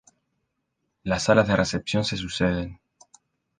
Las salas de recepción se suceden.